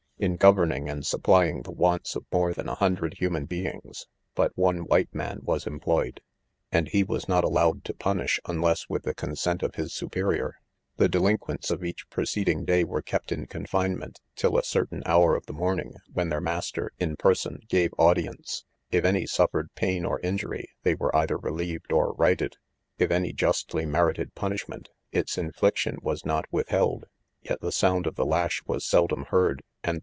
■In governing; ; an& supply mgi the wants of more than a hundred human beings, but one white man was employed ; and he was not al lowed to punish,; unless with the consent; of his superior. The delinquents of ■ each pre ceding day were kept in confinement till a certain hour of the morning, when their mas ter, in person, gave audience ; if any suffered pain or injury, they were either; relieved or righted ; if any justly merited punishment, its infliction was not withheld ; yet the sound of the lash was seldom heard ; and j the.